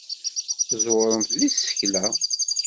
Tẓewremt deg tsekla.